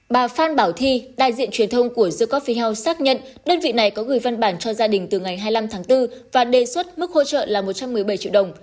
bà phan bảo thi đại diện truyền thông của the cophie house xác nhận đơn vị này có gửi văn bản cho gia đình từ ngày hai mươi năm tháng bốn và đề xuất mức hỗ trợ là một trăm một mươi bảy triệu đồng